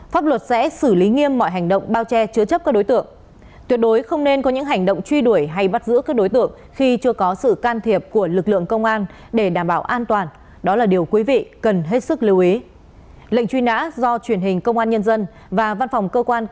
pháp luật sẽ xử lý nghiêm mọi hành động bao che chứa chấp các đối tượng khi chưa có sự can thiệp của lực lượng công an để đảm bảo an toàn